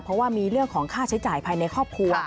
เพราะว่ามีเรื่องของค่าใช้จ่ายภายในครอบครัว